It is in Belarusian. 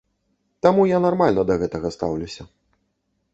Таму я нармальна да гэтага стаўлюся.